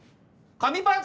紙パンツ！